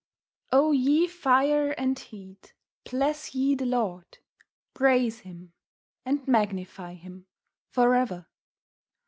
"O ye Fire and Heat, Bless ye the Lord; Praise Him, and Magnify Him for ever.